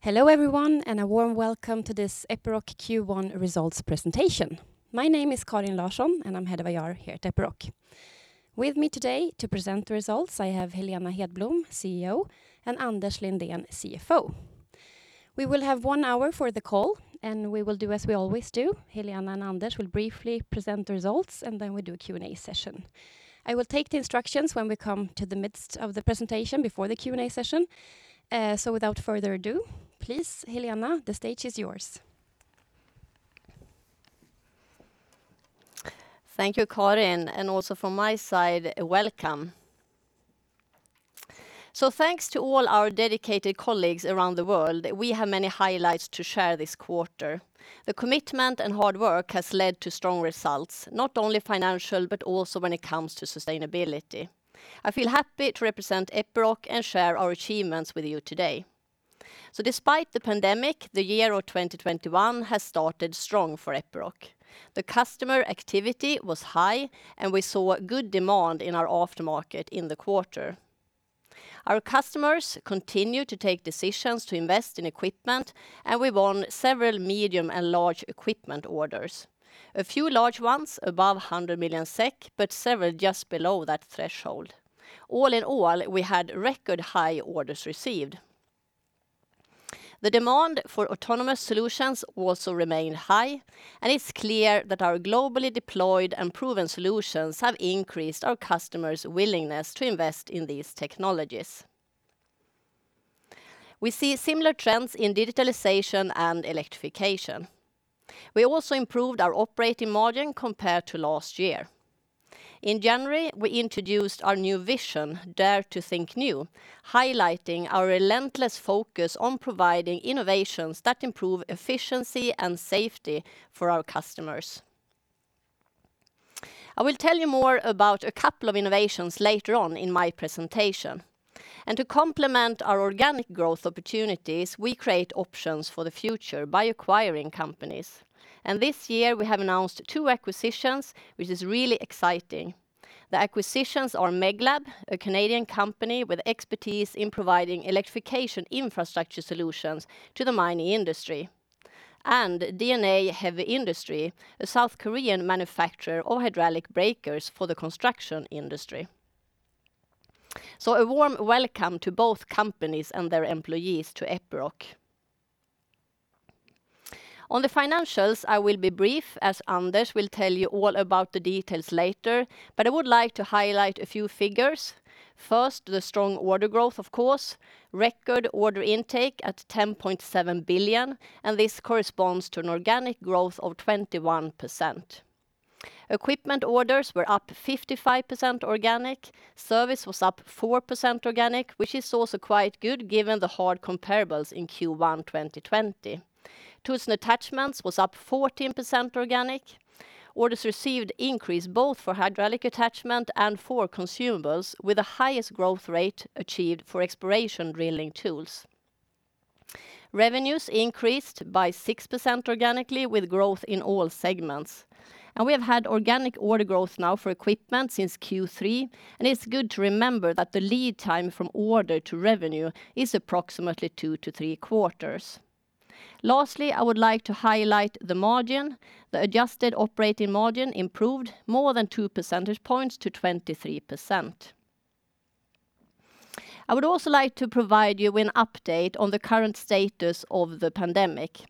Hello everyone, a warm welcome to this Epiroc Q1 results presentation. My name is Karin Larsson, and I'm Head of IR here at Epiroc. With me today to present the results I have Helena Hedblom, CEO, and Anders Lindén, CFO. We will have one hour for the call, and we will do as we always do. Helena and Anders will briefly present the results, and then we'll do a Q&A session. I will take the instructions when we come to the midst of the presentation before the Q&A session. Without further ado, please, Helena, the stage is yours. Thank you, Karin. Also from my side, welcome. Thanks to all our dedicated colleagues around the world. We have many highlights to share this quarter. The commitment and hard work has led to strong results, not only financial, but also when it comes to sustainability. I feel happy to represent Epiroc and share our achievements with you today. Despite the pandemic, the year of 2021 has started strong for Epiroc. The customer activity was high. We saw good demand in our aftermarket in the quarter. Our customers continue to take decisions to invest in equipment. We won several medium and large equipment orders. A few large ones above 100 million SEK. Several just below that threshold. All in all, we had record high orders received. The demand for autonomous solutions also remained high, and it's clear that our globally deployed and proven solutions have increased our customers' willingness to invest in these technologies. We see similar trends in digitalization and electrification. We also improved our operating margin compared to last year. In January, we introduced our new vision, "Dare to think new," highlighting our relentless focus on providing innovations that improve efficiency and safety for our customers. I will tell you more about a couple of innovations later on in my presentation. To complement our organic growth opportunities, we create options for the future by acquiring companies. This year we have announced two acquisitions, which is really exciting. The acquisitions are Meglab, a Canadian company with expertise in providing electrification infrastructure solutions to the mining industry, and D&A Heavy Industries, a South Korean manufacturer of hydraulic breakers for the construction industry. A warm welcome to both companies and their employees to Epiroc. On the financials, I will be brief, as Anders will tell you all about the details later, but I would like to highlight a few figures. First, the strong order growth, of course. Record order intake at 10.7 billion, and this corresponds to an organic growth of 21%. Equipment orders were up 55% organic. Service was up four percent organic, which is also quite good given the hard comparables in Q1 2020. Tools and attachments was up 14% organic. Orders received increased both for hydraulic attachment and for consumables, with the highest growth rate achieved for exploration drilling tools. Revenues increased by six percent organically with growth in all segments. We have had organic order growth now for equipment since Q3, and it's good to remember that the lead time from order to revenue is approximately two to three quarters. I would like to highlight the margin. The adjusted operating margin improved more than two percentage points to 23%. I would also like to provide you with an update on the current status of the pandemic.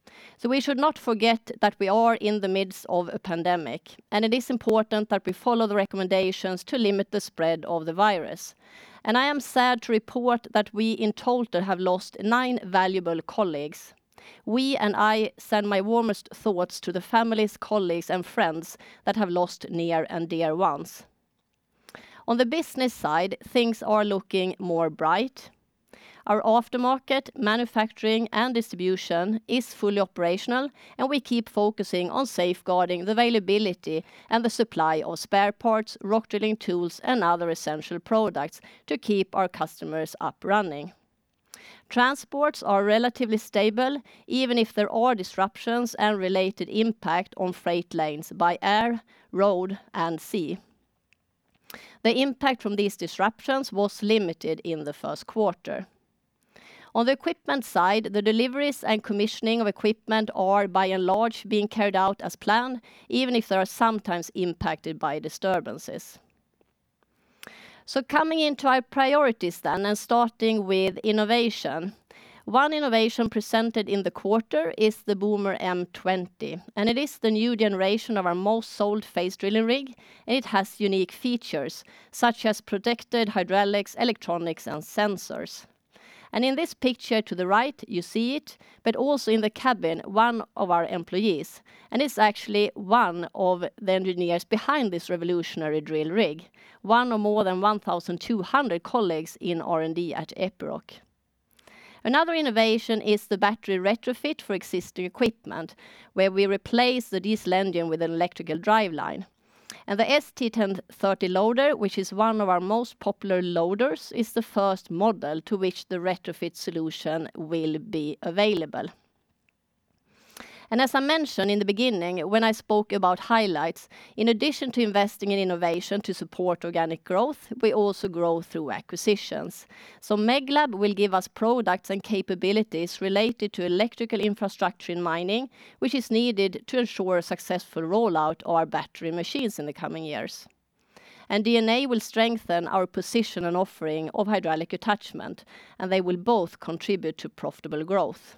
We should not forget that we are in the midst of a pandemic, and it is important that we follow the recommendations to limit the spread of the virus. I am sad to report that we in Tolter have lost nine valuable colleagues. We, and I, send my warmest thoughts to the families, colleagues, and friends that have lost near and dear ones. On the business side, things are looking more bright. Our aftermarket manufacturing and distribution is fully operational, and we keep focusing on safeguarding the availability and the supply of spare parts, rock drilling tools, and other essential products to keep our customers up running. Transports are relatively stable, even if there are disruptions and related impact on freight lanes by air, road, and sea. The impact from these disruptions was limited in the first quarter. On the equipment side, the deliveries and commissioning of equipment are by and large being carried out as planned, even if they are sometimes impacted by disturbances. Coming into our priorities then, and starting with innovation. One innovation presented in the quarter is the Boomer M20, and it is the new generation of our most sold face-drilling rig. It has unique features, such as protected hydraulics, electronics, and sensors. In this picture to the right, you see it, but also in the cabin, one of our employees, and it's actually one of the engineers behind this revolutionary drill rig, one of more than 1,200 colleagues in R&D at Epiroc. Another innovation is the battery retrofit for existing equipment, where we replace the diesel engine with an electrical driveline. The Scooptram ST1030 loader, which is one of our most popular loaders, is the first model to which the retrofit solution will be available. Meglab will give us products and capabilities related to electrical infrastructure in mining, which is needed to ensure a successful rollout of our battery machines in the coming years. D&A will strengthen our position and offering of hydraulic attachment, and they will both contribute to profitable growth.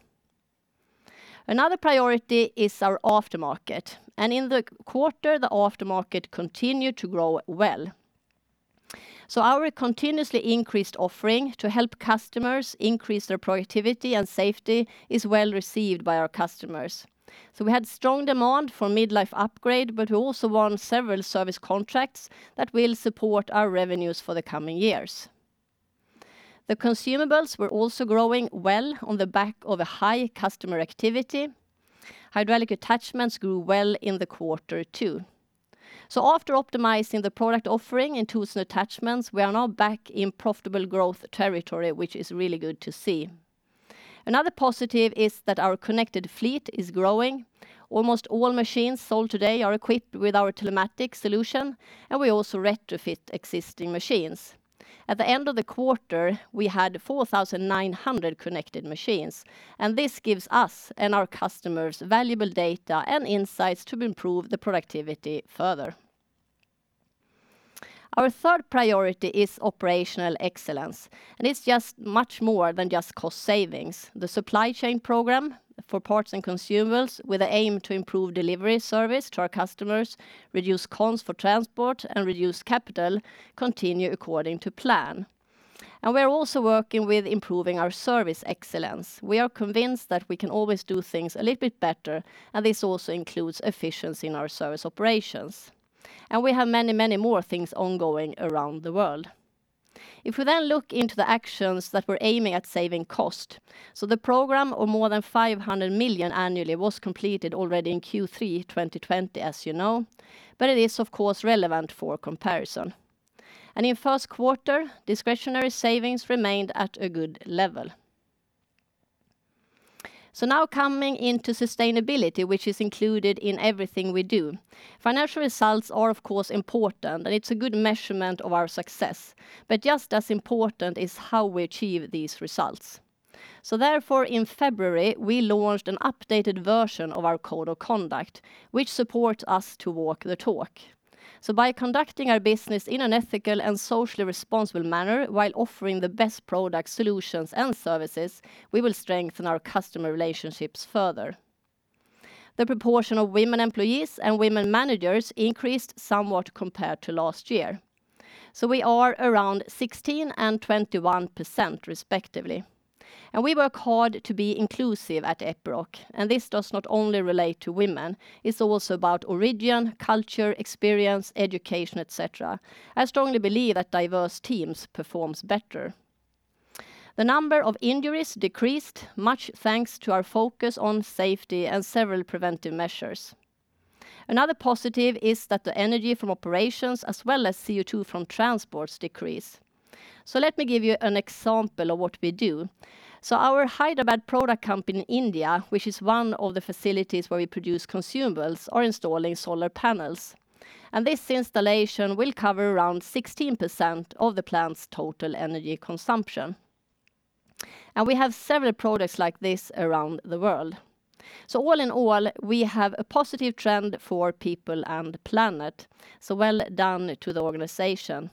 Another priority is our aftermarket. In the quarter, the aftermarket continued to grow well. Our continuously increased offering to help customers increase their productivity and safety is well received by our customers. We had strong demand for mid-life upgrade, but we also won several service contracts that will support our revenues for the coming years. The consumables were also growing well on the back of a high customer activity. Hydraulic attachments grew well in the quarter too. After optimizing the product offering in tools and attachments, we are now back in profitable growth territory, which is really good to see. Another positive is that our connected fleet is growing. Almost all machines sold today are equipped with our telematics solution, and we also retrofit existing machines. At the end of the quarter, we had 4,900 connected machines. This gives us and our customers valuable data and insights to improve the productivity further. Our third priority is operational excellence. It's just much more than just cost savings. The supply chain program for parts and consumables with the aim to improve delivery service to our customers, reduce costs for transport, and reduce capital continue according to plan. We are also working with improving our service excellence. We are convinced that we can always do things a little bit better. This also includes efficiency in our service operations. We have many more things ongoing around the world. If we look into the actions that we're aiming at saving cost. The program of more than 500 million annually was completed already in Q3 2020 as you know, but it is of course relevant for comparison. In first quarter, discretionary savings remained at a good level. Now coming into sustainability, which is included in everything we do. Financial results are of course important, and it's a good measurement of our success. Just as important is how we achieve these results. Therefore, in February, we launched an updated version of our code of conduct, which supports us to walk the talk. By conducting our business in an ethical and socially responsible manner while offering the best product solutions and services, we will strengthen our customer relationships further. The proportion of women employees and women managers increased somewhat compared to last year. We are around 16% and 21% respectively. We work hard to be inclusive at Epiroc, and this does not only relate to women, it's also about origin, culture, experience, education, et cetera. I strongly believe that diverse teams performs better. The number of injuries decreased, much thanks to our focus on safety and several preventive measures. Another positive is that the energy from operations as well as CO2 from transports decrease. Let me give you an example of what we do. Our Hyderabad product company in India, which is one of the facilities where we produce consumables, are installing solar panels. This installation will cover around 16% of the plant's total energy consumption. We have several products like this around the world. All in all, we have a positive trend for people and planet. Well done to the organization.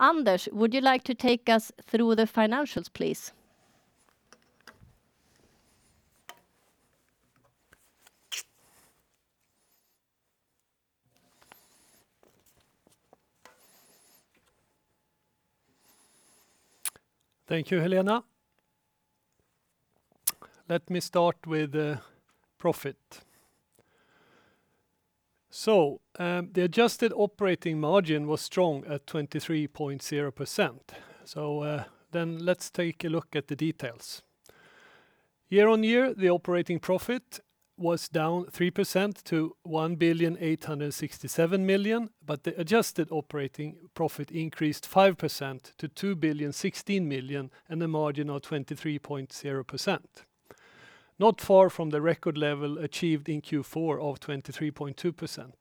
Anders Lindén, would you like to take us through the financials, please? Thank you, Helena. Let me start with profit. The adjusted operating margin was strong at 23.0%. Let's take a look at the details. Year-on-year, the operating profit was down three percent to 1,867 million. The adjusted operating profit increased five percent to 2,016 million, and a margin of 23.0%. Not far from the record level achieved in Q4 of 23.2%.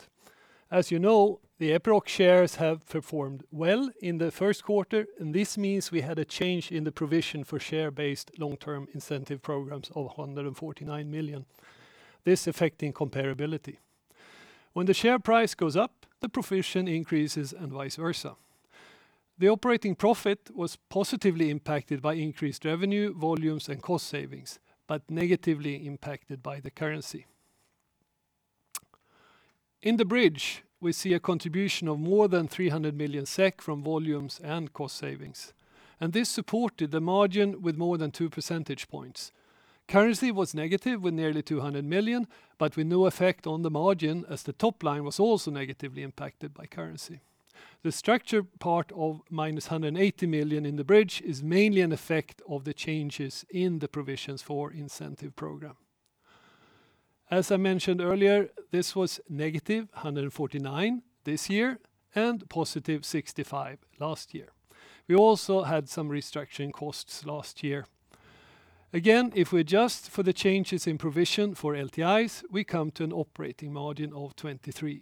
As you know, the Epiroc shares have performed well in the first quarter, and this means we had a change in the provision for share-based long-term incentive programs of 149 million, affecting comparability. When the share price goes up, the provision increases and vice versa. The operating profit was positively impacted by increased revenue, volumes, and cost savings, but negatively impacted by the currency. In the bridge, we see a contribution of more than 300 million SEK from volumes and cost savings. This supported the margin with more than two percentage points. Currency was negative with nearly 200 million, but with no effect on the margin as the top line was also negatively impacted by currency. The structure part of minus 180 million in the bridge is mainly an effect of the changes in the provisions for incentive program. As I mentioned earlier, this was negative 149 this year and positive 65 last year. We also had some restructuring costs last year. Again, if we adjust for the changes in provision for LTIs, we come to an operating margin of 23.0%.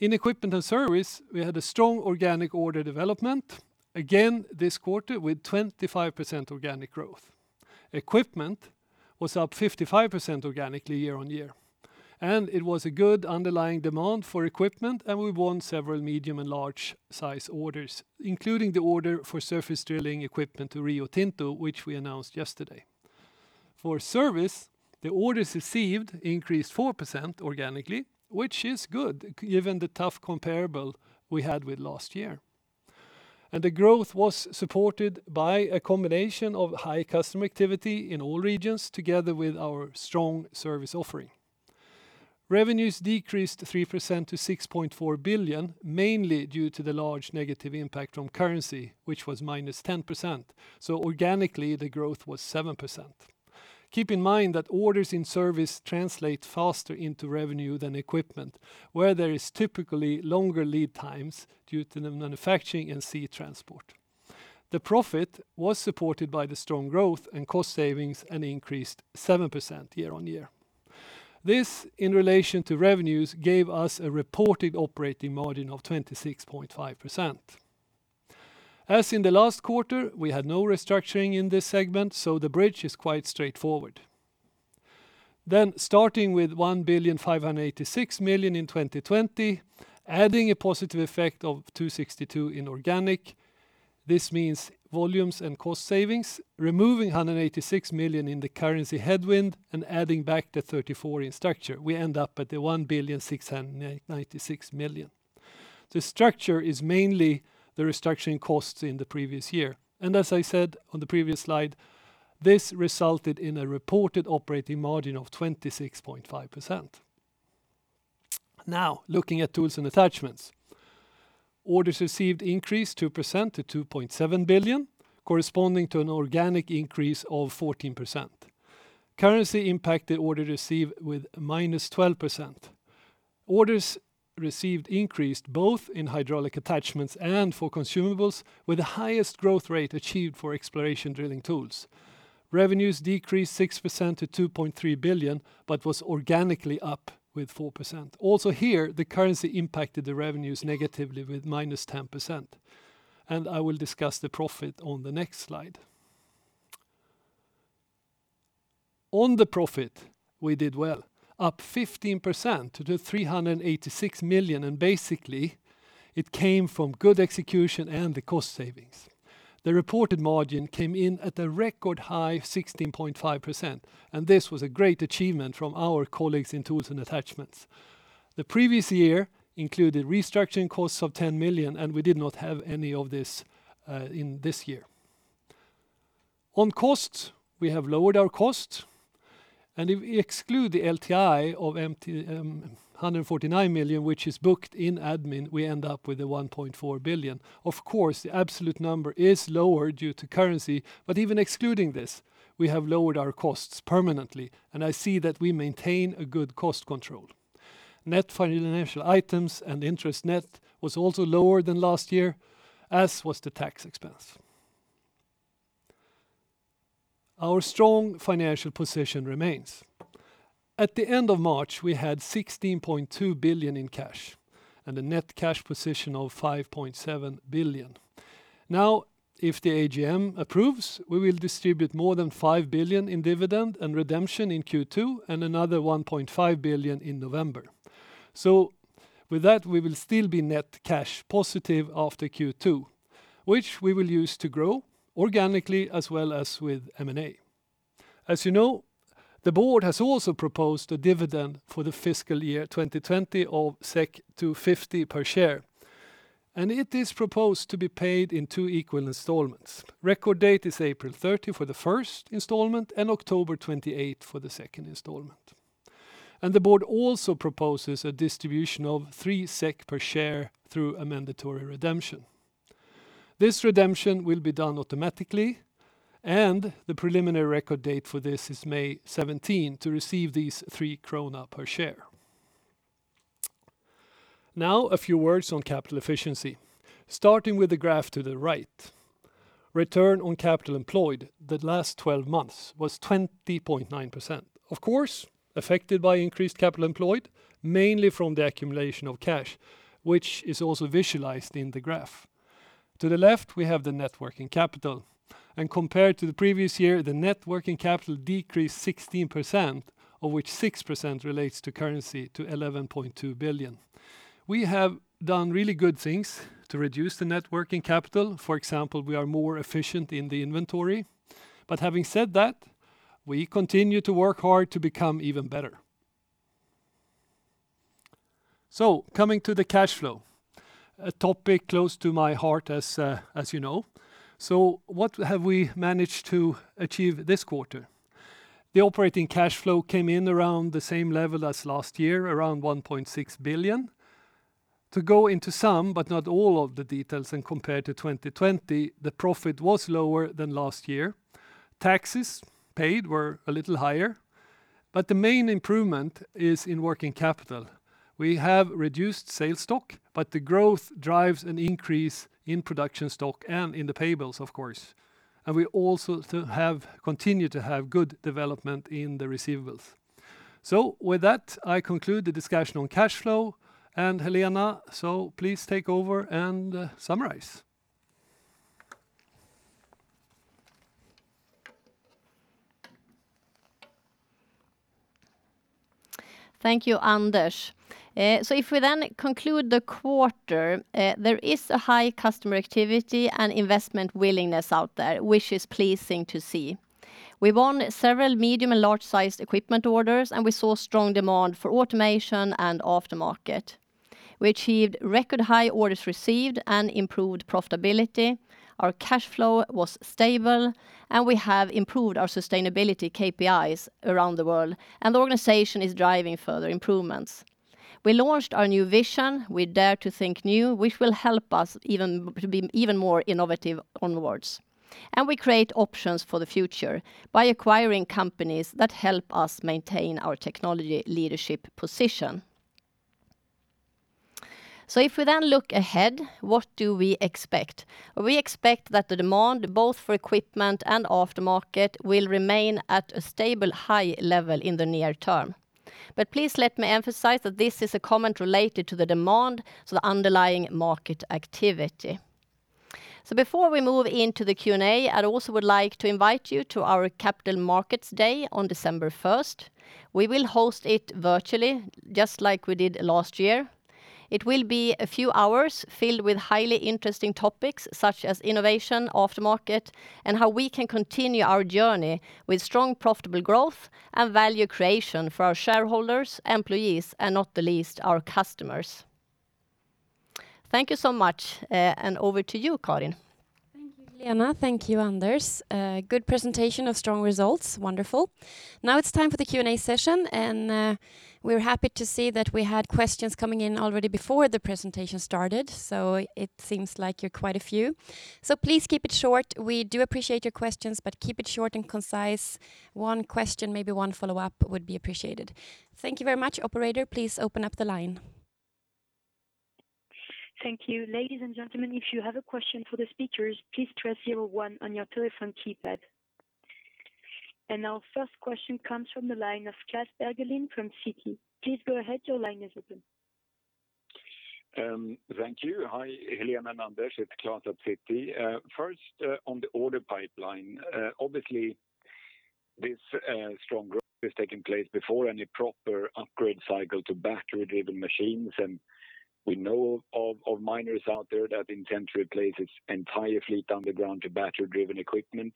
In equipment and service, we had a strong organic order development, again this quarter with 25% organic growth. Equipment was up 55% organically year on year, and it was a good underlying demand for equipment, and we won several medium and large size orders, including the order for surface drilling equipment to Rio Tinto, which we announced yesterday. For service, the orders received increased four percent organically, which is good given the tough comparable we had with last year. The growth was supported by a combination of high customer activity in all regions, together with our strong service offering. Revenues decreased three percent to 6.4 billion, mainly due to the large negative impact from currency, which was minus 10%. Organically, the growth was seven percent. Keep in mind that orders in service translate faster into revenue than equipment, where there is typically longer lead times due to the manufacturing and sea transport. The profit was supported by the strong growth and cost savings and increased seven percent year on year. This, in relation to revenues, gave us a reported operating margin of 26.5%. As in the last quarter, we had no restructuring in this segment. The bridge is quite straightforward. Starting with 1,586 million in 2020, adding a positive effect of 262 million in organic. This means volumes and cost savings. Removing 186 million in the currency headwind and adding back 34 million in structure, we end up at 1,696 million. The structure is mainly the restructuring costs in the previous year. As I said on the previous slide, this resulted in a reported operating margin of 26.5%. Looking at tools and attachments. Orders received increased two percent to 2.7 billion, corresponding to an organic increase of 14%. Currency impacted order received with minus 12%. Orders received increased both in hydraulic attachments and for consumables, with the highest growth rate achieved for exploration drilling tools. Revenues decreased six percent to 2.3 billion, but was organically up with four percent. Also here, the currency impacted the revenues negatively with minus 10%. I will discuss the profit on the next slide. On the profit, we did well, up 15% to 386 million, and basically, it came from good execution and the cost savings. The reported margin came in at a record high 16.5%, and this was a great achievement from our colleagues in tools and attachments. The previous year included restructuring costs of 10 million, and we did not have any of this in this year. On costs, we have lowered our costs, and if we exclude the LTI of 149 million, which is booked in admin, we end up with a 1.4 billion. Even excluding this, we have lowered our costs permanently, and I see that we maintain a good cost control. Net financial items and interest net was also lower than last year, as was the tax expense. Our strong financial position remains. At the end of March, we had 16.2 billion in cash and a net cash position of 5.7 billion. If the AGM approves, we will distribute more than 5 billion in dividend and redemption in Q2 and another 1.5 billion in November. With that, we will still be net cash positive after Q2, which we will use to grow organically as well as with M&A. As you know, the board has also proposed a dividend for the fiscal year 2020 of 250 per share, and it is proposed to be paid in two equal installments. Record date is April 30 for the first installment and October 28 for the second installment. The board also proposes a distribution of 3 SEK per share through a mandatory redemption. This redemption will be done automatically. The preliminary record date for this is May 17 to receive these 3 krona per share. Now, a few words on capital efficiency. Starting with the graph to the right, return on capital employed the last 12 months was 20.9%. Of course, affected by increased capital employed, mainly from the accumulation of cash, which is also visualized in the graph. To the left, we have the net working capital. Compared to the previous year, the net working capital decreased 16%, of which six percent relates to currency to 11.2 billion. We have done really good things to reduce the net working capital. For example, we are more efficient in the inventory. Having said that, we continue to work hard to become even better. Coming to the cash flow, a topic close to my heart, as you know. What have we managed to achieve this quarter? The operating cash flow came in around the same level as last year, around 1.6 billion. To go into some, but not all of the details when compared to 2020, the profit was lower than last year. Taxes paid were a little higher, but the main improvement is in working capital. We have reduced sales stock, but the growth drives an increase in production stock and in the payables, of course. We also continue to have good development in the receivables. With that, I conclude the discussion on cash flow. Helena, please take over and summarize. Thank you, Anders. If we conclude the quarter, there is a high customer activity and investment willingness out there, which is pleasing to see. We won several medium and large-sized equipment orders. We saw strong demand for automation and aftermarket. We achieved record high orders received and improved profitability. Our cash flow was stable. We have improved our sustainability KPIs around the world. The organization is driving further improvements. We launched our new vision, We Dare to Think New, which will help us be even more innovative onwards. We create options for the future by acquiring companies that help us maintain our technology leadership position. If we look ahead, what do we expect? We expect that the demand, both for equipment and aftermarket, will remain at a stable high level in the near term. Please let me emphasize that this is a comment related to the demand, so the underlying market activity. Before we move into the Q&A, I'd also would like to invite you to our Capital Markets Day on December first. We will host it virtually, just like we did last year. It will be a few hours filled with highly interesting topics such as innovation, aftermarket, and how we can continue our journey with strong, profitable growth and value creation for our shareholders, employees, and not the least, our customers. Thank you so much. Over to you, Karin. Thank you, Helena. Thank you, Anders. Good presentation of strong results. Wonderful. Now it's time for the Q&A session. We're happy to see that we had questions coming in already before the presentation started. It seems like you're quite a few. Please keep it short. We do appreciate your questions. Keep it short and concise. One question, maybe one follow-up would be appreciated. Thank you very much. Operator, please open up the line. Thank you. Ladies and gentlemen, if you have a question for the speakers, please press zero one on your telephone keypad. Our first question comes from the line of Klas Bergelind from Citi. Please go ahead. Your line is open. Thank you. Hi, Helena and Anders. It's Klas at Citi. First, on the order pipeline. Obviously, this strong growth has taken place before any proper upgrade cycle to battery-driven machines. We know of miners out there that intend to replace its entire fleet underground to battery-driven equipment.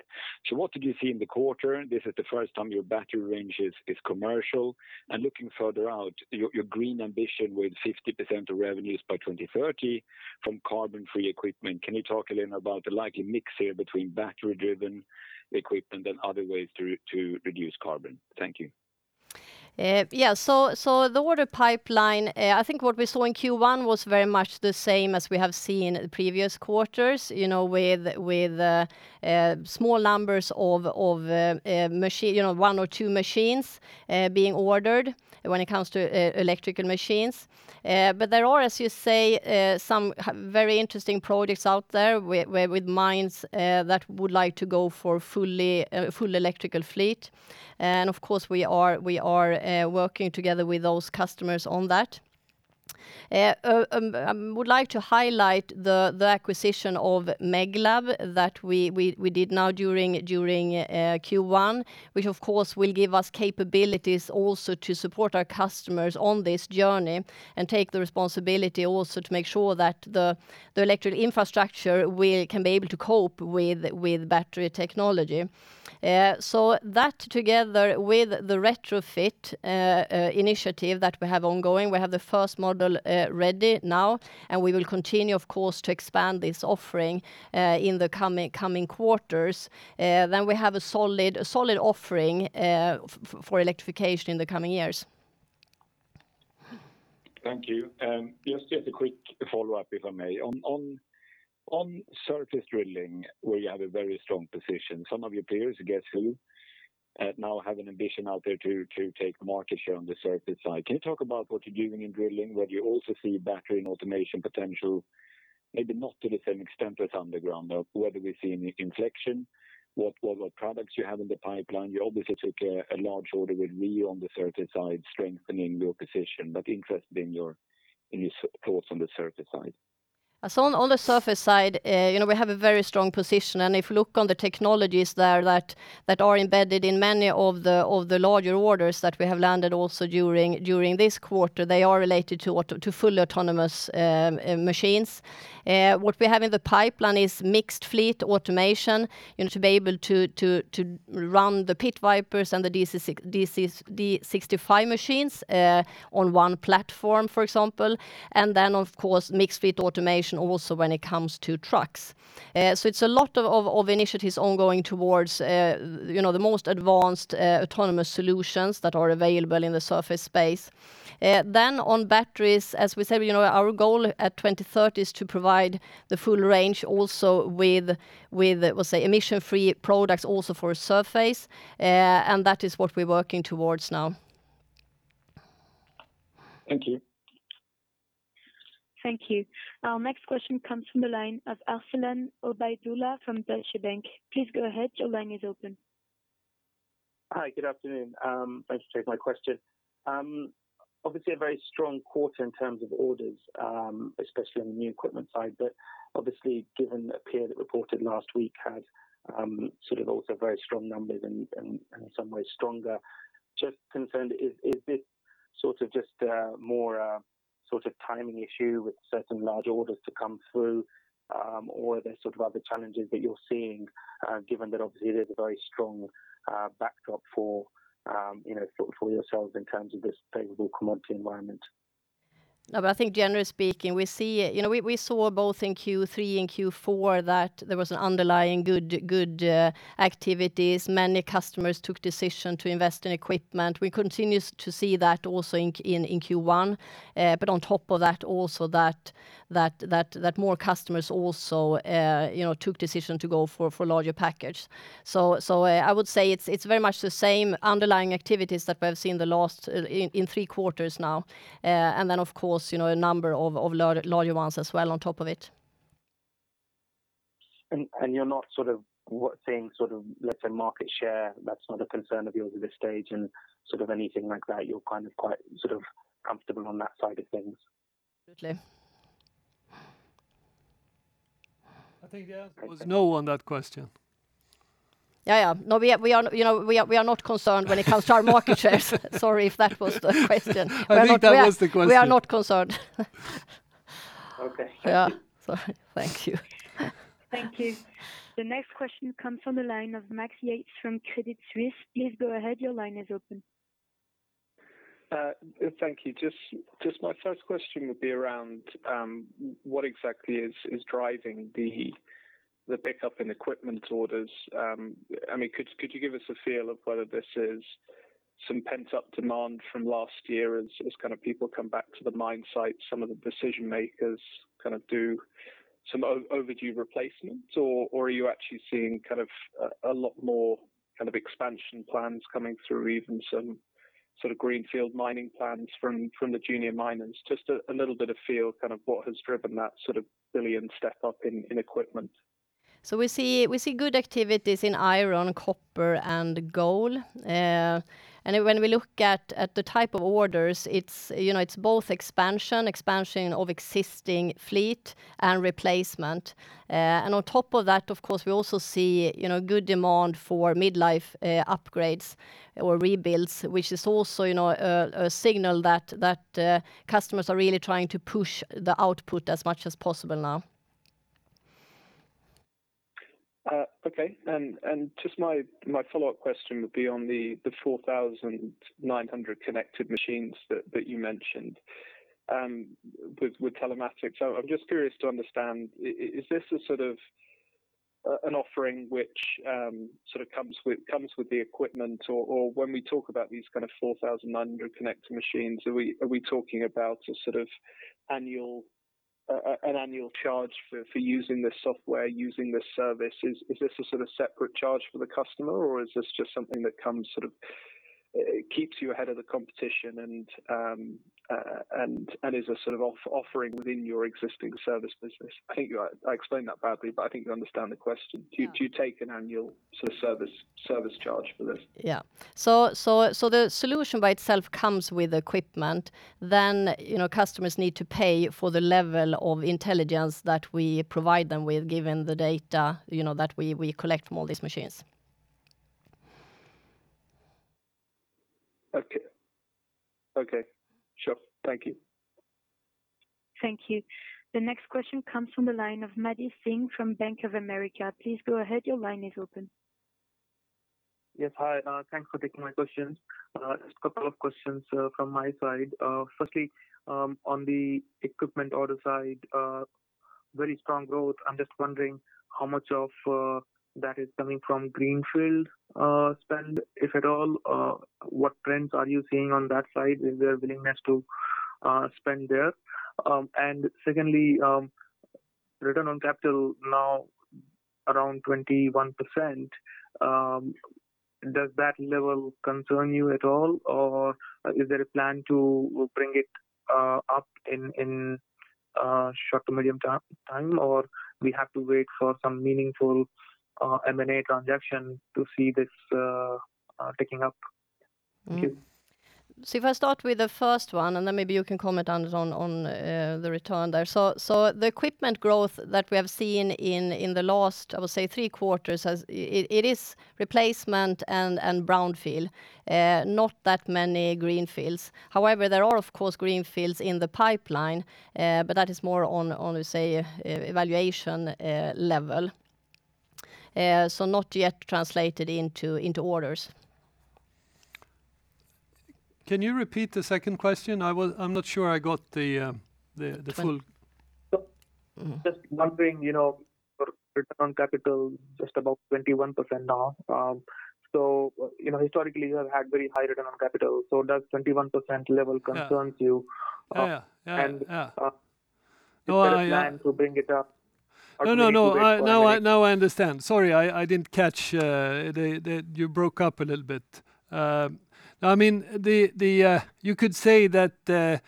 What did you see in the quarter? This is the first time your battery range is commercial. Looking further out, your green ambition with 50% of revenues by 2030 from carbon-free equipment. Can you talk a little about the likely mix here between battery-driven equipment and other ways to reduce carbon? Thank you. Yeah. The order pipeline, I think what we saw in Q1 was very much the same as we have seen in previous quarters, with small numbers of one or two machines being ordered when it comes to electrical machines. There are, as you say, some very interesting projects out there with mines that would like to go for a full electrical fleet. Of course, we are working together with those customers on that. I would like to highlight the acquisition of Meglab that we did now during Q1, which of course will give us capabilities also to support our customers on this journey and take the responsibility also to make sure that the electrical infrastructure can be able to cope with battery technology. That together with the retrofit initiative that we have ongoing, we have the first model ready now, and we will continue, of course, to expand this offering in the coming quarters. We have a solid offering for electrification in the coming years. Thank you. Just a quick follow-up, if I may. On surface drilling, where you have a very strong position, some of your peers, guess who, now have an ambition out there to take market share on the surface side. Can you talk about what you're doing in drilling, whether you also see battery and automation potential, maybe not to the same extent as underground, but whether we see an inflection, what products you have in the pipeline. You obviously took a large order with Rio Tinto on the surface side, strengthening your position, but interested in your thoughts on the surface side. On the surface side, we have a very strong position, and if you look on the technologies there that are embedded in many of the larger orders that we have landed also during this quarter, they are related to full autonomous machines. What we have in the pipeline is mixed fleet automation to be able to run the Pit Vipers and the D65 machines on one platform, for example. Then, of course, mixed fleet automation also when it comes to trucks. It's a lot of initiatives ongoing towards the most advanced autonomous solutions that are available in the surface space. On batteries, as we said, our goal at 2030 is to provide the full range also with, we'll say, emission-free products also for surface. That is what we're working towards now. Thank you. Thank you. Our next question comes from the line of Arsalan Obaidullah from Deutsche Bank. Please go ahead. Your line is open. Hi, good afternoon. Thanks for taking my question. Obviously, a very strong quarter in terms of orders, especially on the new equipment side. Obviously, given a peer that reported last week had also very strong numbers and in some ways stronger. Just concerned. Is this just more a timing issue with certain large orders to come through? Or are there other challenges that you're seeing, given that obviously there's a very strong backdrop for yourselves in terms of this favorable commodity environment? I think generally speaking, we saw both in Q3 and Q4 that there was an underlying good activities. Many customers took decision to invest in equipment. We continue to see that also in Q1. On top of that also that more customers also took decision to go for larger package. I would say it's very much the same underlying activities that we have seen in three quarters now. Of course, a number of larger ones as well on top of it. You're not seeing, let's say market share, that's not a concern of yours at this stage and anything like that, you're quite comfortable on that side of things? Absolutely. I think the answer was no on that question. Yeah. No, we are not concerned when it comes to our market shares. Sorry if that was the question. I think that was the question. We are not concerned. Okay. Thank you. Yeah. Sorry. Thank you. Thank you. The next question comes from the line of Max Yates from Credit Suisse. Please go ahead. Your line is open. Thank you. Just my first question would be around what exactly is driving the pickup in equipment orders. Could you give us a feel of whether this is some pent-up demand from last year as people come back to the mine site, some of the decision makers do some overdue replacements, or are you actually seeing a lot more expansion plans coming through, even some sort of greenfield mining plans from the junior miners? Just a little bit of feel what has driven that billion step up in equipment. We see good activities in iron, copper and gold. When we look at the type of orders, it's both expansion of existing fleet and replacement. On top of that, of course, we also see good demand for mid-life upgrades or rebuilds, which is also a signal that customers are really trying to push the output as much as possible now. Okay. Just my follow-up question would be on the 4,900 connected machines that you mentioned with telematics. I'm just curious to understand, is this an offering which comes with the equipment, or when we talk about these kind of 4,900 connected machines, are we talking about an annual charge for using this software, using this service? Is this a separate charge for the customer, or is this just something that keeps you ahead of the competition and is a sort of offering within your existing service business? I explained that badly, but I think you understand the question. Yeah. Do you take an annual service charge for this? The solution by itself comes with equipment. Customers need to pay for the level of intelligence that we provide them with, given the data that we collect from all these machines. Okay. Sure. Thank you. Thank you. The next question comes from the line of Maddy Singh from Bank of America. Please go ahead. Your line is open. Yes, hi. Thanks for taking my questions. Just a couple of questions from my side. Firstly, on the equipment order side, very strong growth. I'm just wondering how much of that is coming from greenfield spend, if at all. What trends are you seeing on that side? Is there willingness to spend there? Secondly, return on capital now around 21%. Does that level concern you at all, or is there a plan to bring it up in short to medium time? We have to wait for some meaningful M&A transaction to see this picking up? Thank you. If I start with the first one, and then maybe you can comment, Anders, on the return there. The equipment growth that we have seen in the last, I would say three quarters, it is replacement and brownfield. Not that many greenfields. However, there are of course greenfields in the pipeline, but that is more on, say, evaluation level. Not yet translated into orders. Can you repeat the second question? I'm not sure I got the full Sure. Just wondering your return on capital just above 21% now. Historically you have had very high return on capital. Does 21% level concerns you? Is there a plan to bring it up or to make it? No, now I understand. Sorry, I didn't catch. You broke up a little bit. You could say that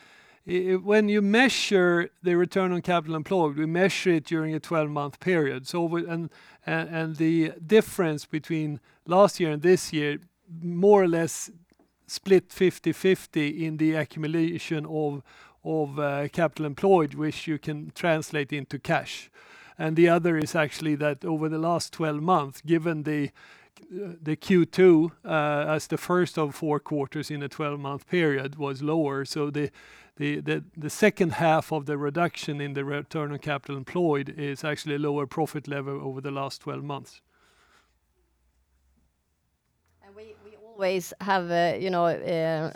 when you measure the return on capital employed, we measure it during a 12-month period. The difference between last year and this year, more or less split 50-50 in the accumulation of capital employed, which you can translate into cash. The other is actually that over the last 12 months, given the Q2 as the first of four quarters in a 12-month period was lower, so the second half of the reduction in the return on capital employed is actually a lower profit level over the last 12 months. We always have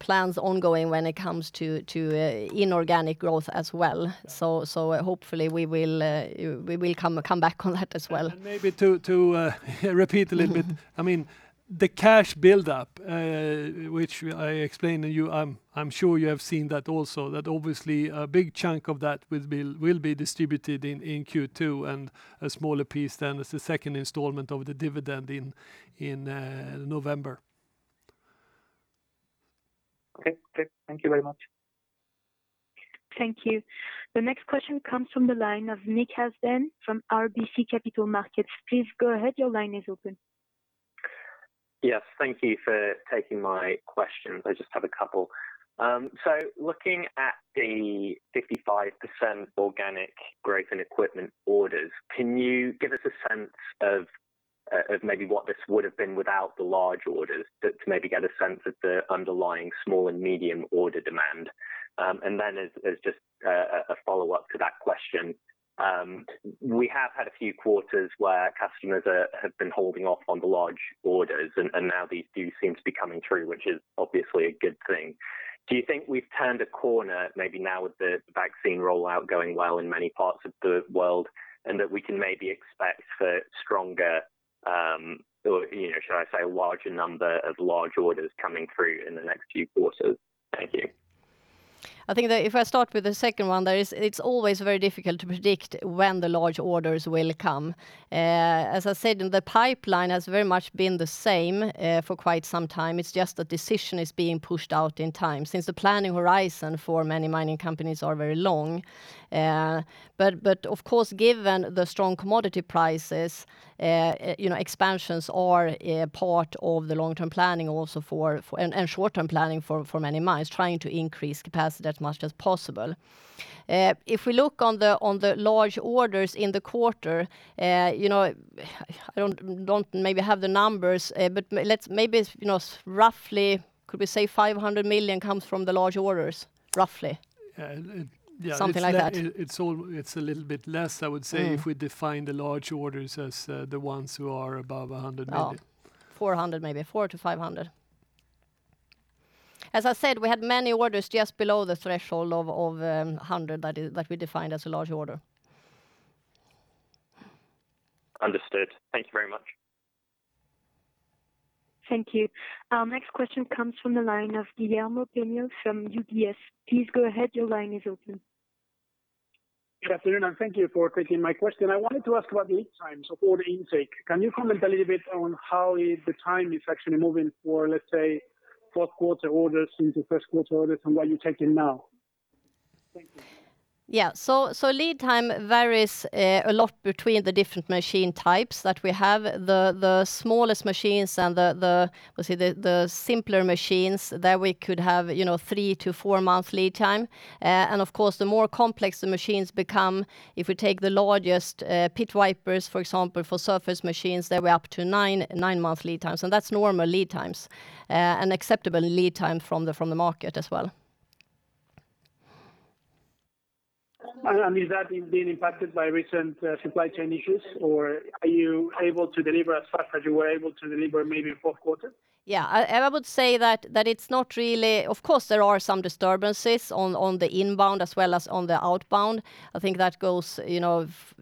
plans ongoing when it comes to inorganic growth as well. Hopefully we will come back on that as well. Maybe to repeat a little bit, the cash buildup, which I explained to you, I am sure you have seen that also, that obviously a big chunk of that will be distributed in Q2 and a smaller piece then as the second installment of the dividend in November. Okay. Thank you very much. Thank you. The next question comes from the line of Nick Hazen from RBC Capital Markets. Please go ahead. Your line is open. Yes, thank you for taking my questions. I just have a couple. Looking at the 55% organic growth in equipment orders, can you give us a sense of maybe what this would've been without the large orders to maybe get a sense of the underlying small and medium order demand? As just a follow-up to that question, we have had a few quarters where customers have been holding off on the large orders, and now these do seem to be coming through, which is obviously a good thing. Do you think we've turned a corner maybe now with the vaccine rollout going well in many parts of the world, and that we can maybe expect for stronger, or should I say, a larger number of large orders coming through in the next few quarters? Thank you. I think that if I start with the second one, it is always very difficult to predict when the large orders will come. As I said, the pipeline has very much been the same for quite some time. It is just the decision is being pushed out in time since the planning horizon for many mining companies are very long. Of course, given the strong commodity prices, expansions are a part of the long-term planning also, and short-term planning for many mines trying to increase capacity as much as possible. If we look on the large orders in the quarter, I don't maybe have the numbers, but maybe roughly could we say 500 million comes from the large orders, roughly? Yeah. Something like that. It's a little bit less, I would say, if we define the large orders as the ones who are above 100 million. Oh, 400, maybe. 400-500. As I said, we had many orders just below the threshold of 100 that we defined as a large order. Understood. Thank you very much. Thank you. Our next question comes from the line of Guillermo Pena from UBS. Please go ahead. Your line is open. Good afternoon. Thank you for taking my question. I wanted to ask about lead times of order intake. Can you comment a little bit on how the time is actually moving for, let's say, fourth quarter orders into first quarter orders and what you're taking now? Thank you. Yeah. Lead time varies a lot between the different machine types that we have. The smallest machines and the simpler machines, there we could have three to four month lead time. Of course, the more complex the machines become, if we take the largest Pit Vipers, for example, for surface machines, they were up to nine-month lead times, and that's normal lead times, and acceptable lead time from the market as well. Is that being impacted by recent supply chain issues, or are you able to deliver as fast as you were able to deliver maybe fourth quarter? I would say that it's not. Of course, there are some disturbances on the inbound as well as on the outbound. I think that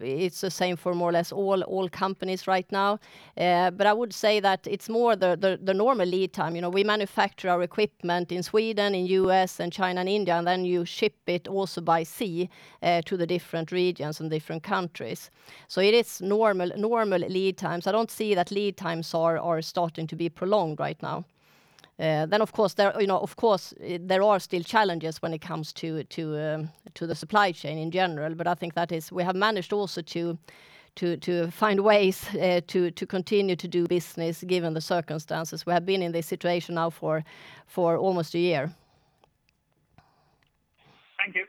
it's the same for more or less all companies right now. I would say that it's more the normal lead time. We manufacture our equipment in Sweden, in U.S., and China, and India, and then you ship it also by sea to the different regions and different countries. It is normal lead times. I don't see that lead times are starting to be prolonged right now. Of course, there are still challenges when it comes to the supply chain in general, but I think we have managed also to find ways to continue to do business given the circumstances. We have been in this situation now for almost a year. Thank you.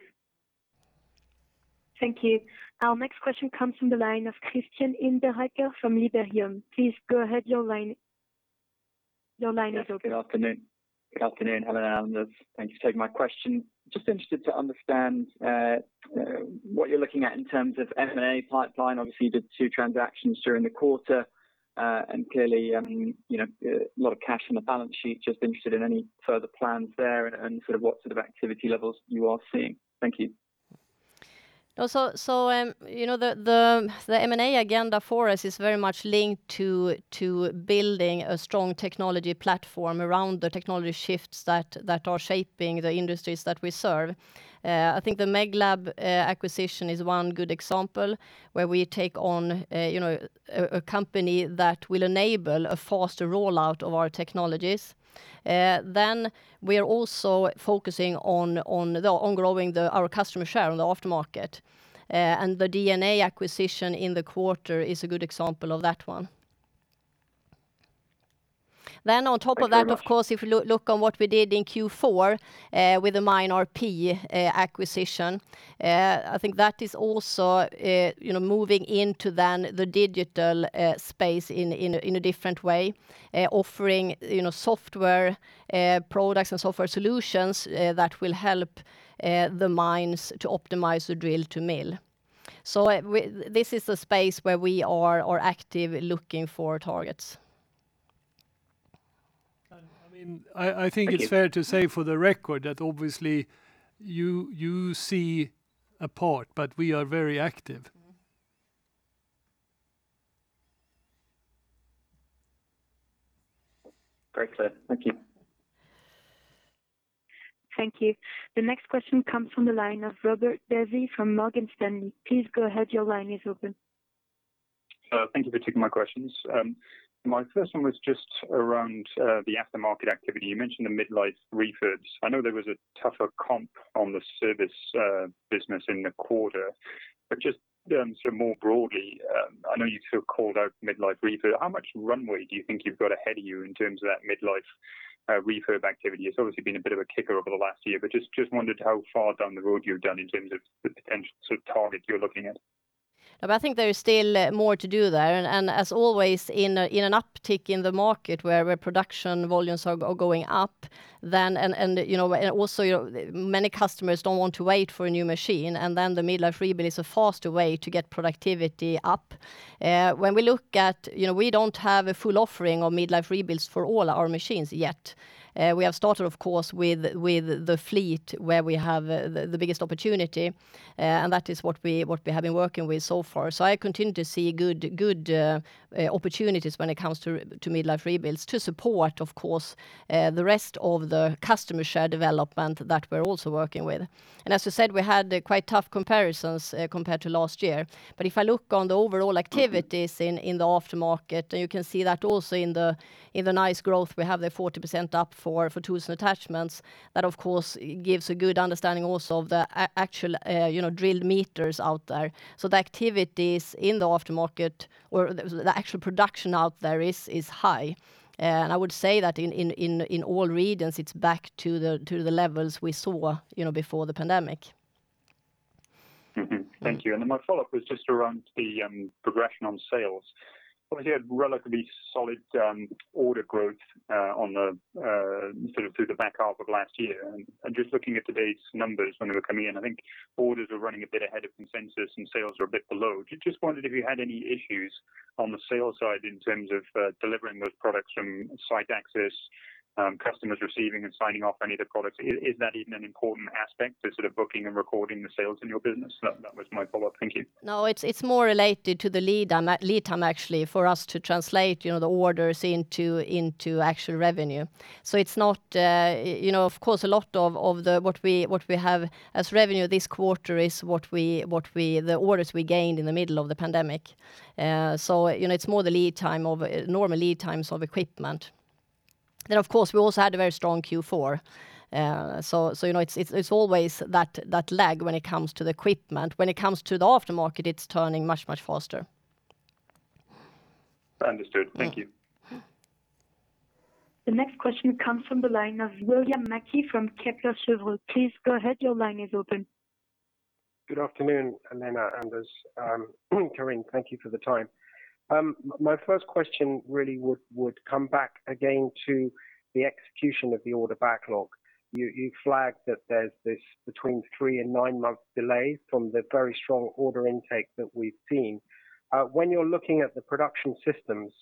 Thank you. Our next question comes from the line of Kristian Inberenger from Liberum. Please go ahead. Your line is open. Yes, good afternoon. Good afternoon, Helena and Anders. Thank you for taking my question. Just interested to understand what you're looking at in terms of M&A pipeline. Obviously, you did two transactions during the quarter, and clearly, a lot of cash on the balance sheet. Just interested in any further plans there and what sort of activity levels you are seeing. Thank you. The M&A agenda for us is very much linked to building a strong technology platform around the technology shifts that are shaping the industries that we serve. I think the Meglab acquisition is one good example, where we take on a company that will enable a faster rollout of our technologies. We are also focusing on growing our customer share in the aftermarket. The D&A acquisition in the quarter is a good example of that one. On top of that, of course, if you look at what we did in Q4 with the MineRP acquisition, I think that is also moving into the digital space in a different way, offering software products and software solutions that will help the mines to optimize the drill to mill. This is a space where we are actively looking for targets. I think it's fair to say for the record that obviously you see a part, but we are very active. Very clear. Thank you. Thank you. The next question comes from the line of Robert Desi from Morgan Stanley. Thank you for taking my questions. My first one was just around the aftermarket activity. You mentioned the midlife refurbs. I know there was a tougher comp on the service business in the quarter, but just more broadly, I know you sort of called out midlife refurb. How much runway do you think you've got ahead of you in terms of that midlife refurb activity? It's obviously been a bit of a kicker over the last year, but just wondered how far down the road you've gone in terms of the potential target you're looking at. I think there is still more to do there. As always, in an uptick in the market where production volumes are going up, many customers don't want to wait for a new machine, then the midlife refurb is a faster way to get productivity up. We don't have a full offering of midlife rebuilds for all our machines yet. We have started, of course, with the fleet where we have the biggest opportunity, that is what we have been working with so far. I continue to see good opportunities when it comes to midlife rebuilds to support, of course, the rest of the customer share development that we're also working with. As you said, we had quite tough comparisons compared to last year. If I look on the overall activities in the aftermarket, you can see that also in the nice growth we have there, 40% up for tools and attachments. That of course gives a good understanding also of the actual drilled meters out there. The activities in the aftermarket, or the actual production out there, is high. I would say that in all regions, it's back to the levels we saw before the pandemic. Thank you. My follow-up was just around the progression on sales. Obviously, a relatively solid order growth through the back half of last year. Just looking at today's numbers when they were coming in, I think orders are running a bit ahead of consensus and sales are a bit below. Just wondered if you had any issues on the sales side in terms of delivering those products from site access, customers receiving and signing off any of the products. Is that even an important aspect to booking and recording the sales in your business? That was my follow-up. Thank you. No, it's more related to the lead time, actually, for us to translate the orders into actual revenue. Of course, a lot of what we have as revenue this quarter is the orders we gained in the middle of the pandemic. It's more the normal lead times of equipment. Of course, we also had a very strong Q4. It's always that lag when it comes to the equipment. When it comes to the aftermarket, it's turning much, much faster. Understood. Thank you. The next question comes from the line of William Mackie from Kepler Cheuvreux. Please go ahead. Your line is open. Good afternoon, Helena, Anders, Karin. Thank you for the time. My first question really would come back again to the execution of the order backlog. You flagged that there is this between three and nine months delay from the very strong order intake that we have seen. When you are looking at the production systems,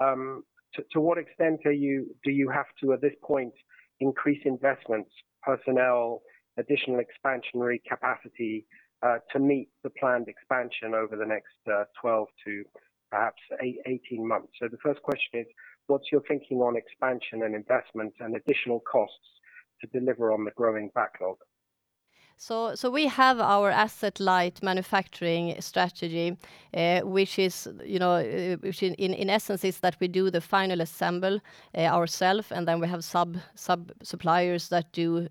to what extent do you have to, at this point, increase investments, personnel, additional expansionary capacity, to meet the planned expansion over the next 12 to perhaps 18 months? So the first question is, what is your thinking on expansion and investments and additional costs to deliver on the growing backlog? We have our asset-light manufacturing strategy, which in essence is that we do the final assembly ourself, and then we have suppliers that do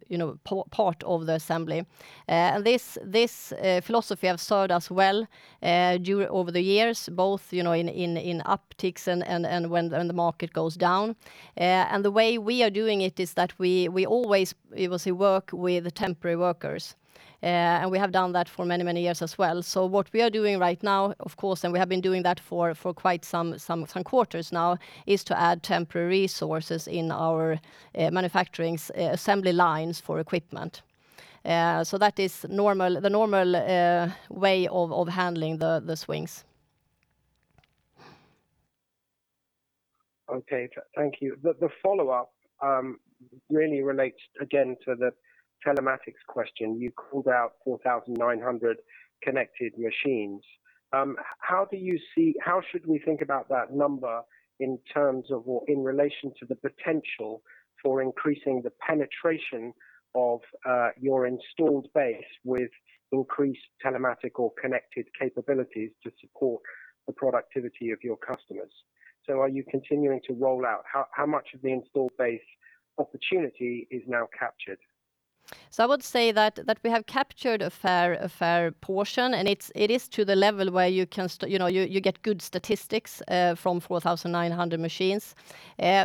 part of the assembly. This philosophy have served us well over the years, both in upticks and when the market goes down. The way we are doing it is that we always work with temporary workers. We have done that for many, many years as well. What we are doing right now, of course, and we have been doing that for quite some quarters now, is to add temporary resources in our manufacturing assembly lines for equipment. That is the normal way of handling the swings. Okay. Thank you. The follow-up really relates again to the telematics question. You called out 4,900 connected machines. How should we think about that number in relation to the potential for increasing the penetration of your installed base with increased telematics or connected capabilities to support the productivity of your customers? Are you continuing to roll out? How much of the installed base opportunity is now captured? I would say that we have captured a fair portion, and it is to the level where you get good statistics from 4,900 machines.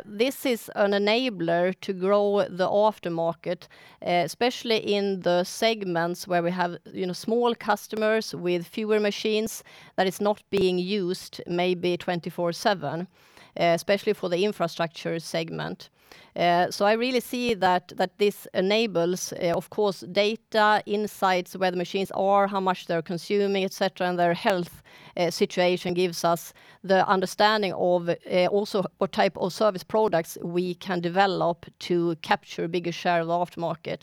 This is an enabler to grow the aftermarket, especially in the segments where we have small customers with fewer machines that it's not being used maybe 24/7, especially for the infrastructure segment. I really see that this enables, of course, data insights, where the machines are, how much they're consuming, et cetera, and their health situation gives us the understanding of also what type of service products we can develop to capture a bigger share of the aftermarket.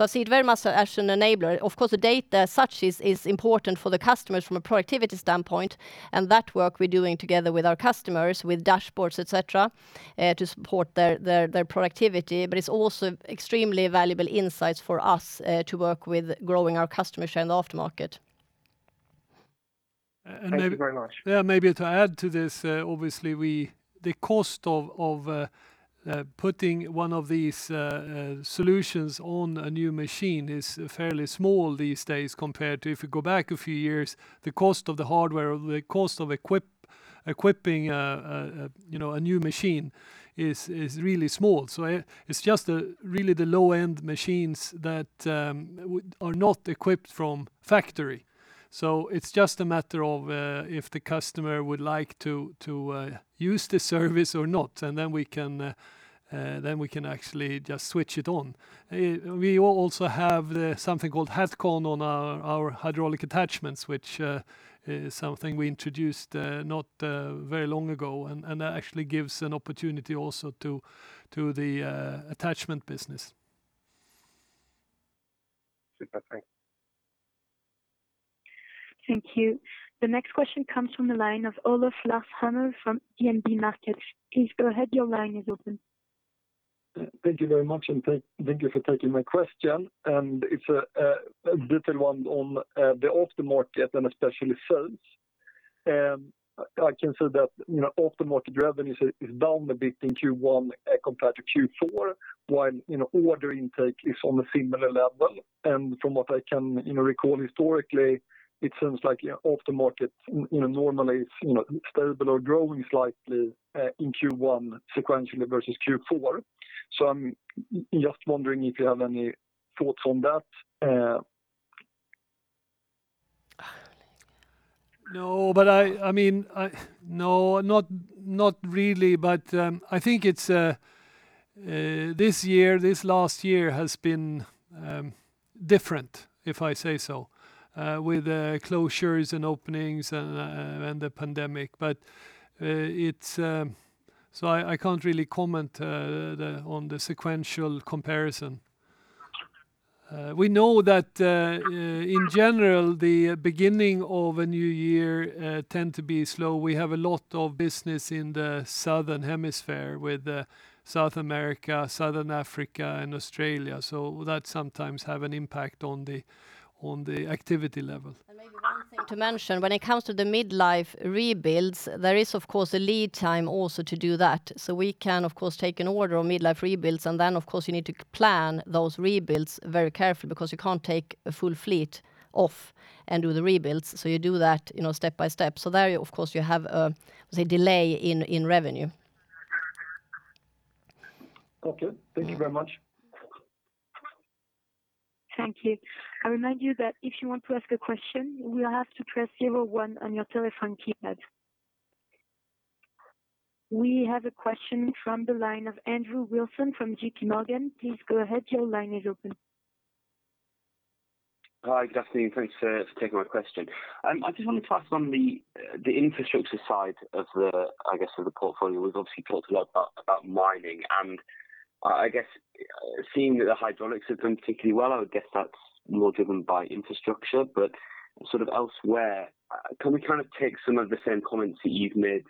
I see it very much as an enabler. Of course, the data as such is important for the customers from a productivity standpoint, and that work we're doing together with our customers, with dashboards, et cetera, to support their productivity. It's also extremely valuable insights for us to work with growing our customer share in the aftermarket. Thank you very much. Yeah, maybe to add to this, obviously, the cost of putting one of these solutions on a new machine is fairly small these days compared to if you go back a few years, the cost of the hardware, the cost of equipping a new machine is really small. It's just really the low-end machines that are not equipped from factory. It's just a matter of if the customer would like to use the service or not, and then we can actually just switch it on. We also have something called HATCON on our hydraulic attachments, which is something we introduced not very long ago, and that actually gives an opportunity also to the attachment business. Super, thanks. Thank you. The next question comes from the line of Olof Larshammar from DNB Markets. Please go ahead, your line is open. Thank you very much, and thank you for taking my question. It's a detailed one on the aftermarket and especially sales. I can say that aftermarket revenues is down a bit in Q1 compared to Q4, while order intake is on a similar level. From what I can recall historically, it seems like your aftermarket normally is stable or growing slightly in Q1 sequentially versus Q4. I'm just wondering if you have any thoughts on that. No, not really. I think this last year has been different, if I say so, with closures and openings and the pandemic. I can't really comment on the sequential comparison. We know that in general, the beginning of a new year tend to be slow. We have a lot of business in the southern hemisphere with South America, Southern Africa, and Australia. That sometimes have an impact on the activity level. Maybe one thing to mention, when it comes to the midlife rebuilds, there is of course a lead time also to do that. We can of course take an order of midlife rebuilds, and then, of course, you need to plan those rebuilds very carefully because you can't take a full fleet off and do the rebuilds. You do that step by step. There, of course, you have a delay in revenue. Okay. Thank you very much. Thank you. I remind you that if you want to ask a question, you will have to press 01 on your telephone keypad. We have a question from the line of Andrew Wilson from JP Morgan. Please go ahead, your line is open. Hi, good afternoon. Thanks for taking my question. I just wanted to ask on the infrastructure side of the portfolio. We've obviously talked a lot about mining. I guess seeing that the hydraulics have done particularly well, I would guess that's more driven by infrastructure. Elsewhere, can we take some of the same comments that you've made,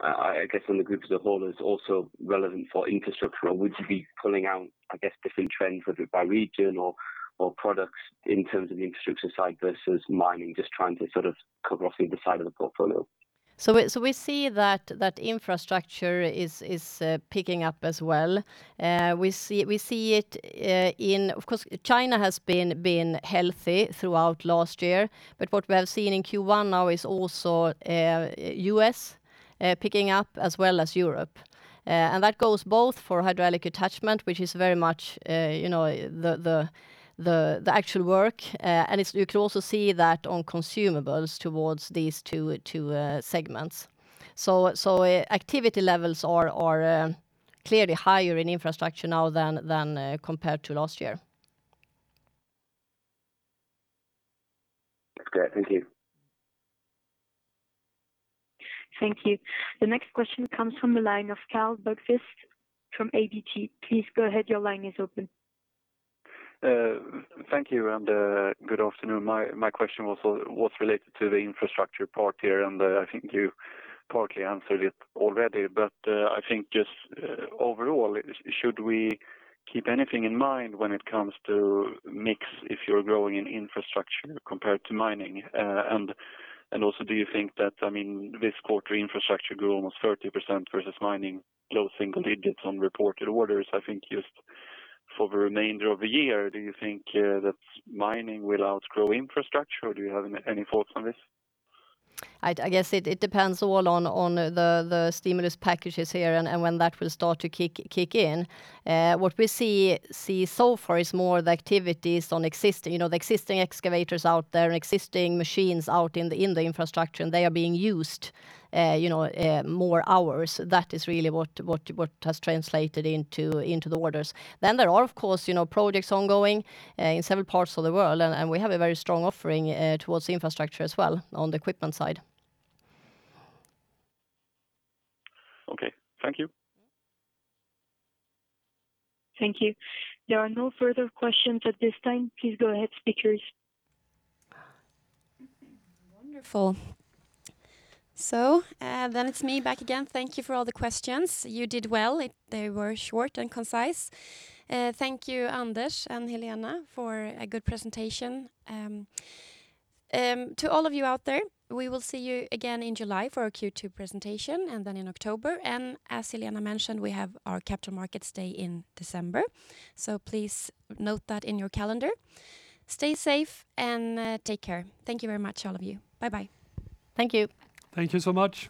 I guess from the group as a whole, as also relevant for infrastructure? Would you be pulling out, I guess, different trends, whether it be by region or products in terms of the infrastructure side versus mining, just trying to sort of cover off either side of the portfolio? We see that infrastructure is picking up as well. Of course, China has been healthy throughout last year. What we have seen in Q1 now is also U.S. picking up as well as Europe. That goes both for hydraulic attachment, which is very much the actual work. You could also see that on consumables towards these two segments. Activity levels are clearly higher in infrastructure now than compared to last year. Great. Thank you. Thank you. The next question comes from the line of Carl Bergqvist from ABG. Please go ahead. Thank you, and good afternoon. My question was related to the infrastructure part here, and I think you partly answered it already. I think just overall, should we keep anything in mind when it comes to mix if you're growing in infrastructure compared to mining? Also, do you think that, this quarter infrastructure grew almost 30% versus mining low single digits on reported orders. I think just for the remainder of the year, do you think that mining will outgrow infrastructure, or do you have any thoughts on this? I guess it depends all on the stimulus packages here and when that will start to kick in. What we see so far is more the activities on existing excavators out there and existing machines out in the infrastructure, and they are being used more hours. That is really what has translated into the orders. There are, of course, projects ongoing in several parts of the world, and we have a very strong offering towards infrastructure as well on the equipment side. Okay. Thank you. Thank you. There are no further questions at this time. Please go ahead, speakers. Wonderful. Then it's me back again. Thank you for all the questions. You did well. They were short and concise. Thank you, Anders and Helena, for a good presentation. To all of you out there, we will see you again in July for our Q2 presentation, and then in October. As Helena mentioned, we have our Capital Markets Day in December, please note that in your calendar. Stay safe and take care. Thank you very much, all of you. Bye-bye. Thank you. Thank you so much.